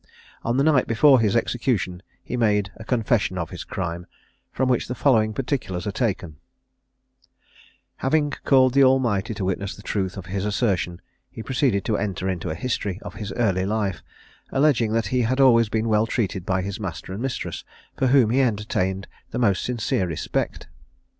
On the night before his execution he made a confession of his crime, from which the following particulars are taken: Having called the Almighty to witness the truth of his assertion, he proceeded to enter into a history of his early life, alleging that he had always been well treated by his master and mistress, for whom he entertained the most sincere respect.